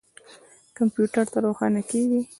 کمپیوټر نه روښانه کیږي